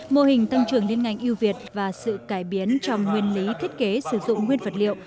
mô hình tăng trưởng liên ngành yêu việt và sự cải biến trong nguyên lý thiết kế sử dụng nguyên vật liệu